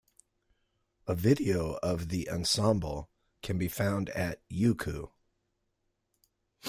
A video of the Ensemble can be found at Youku.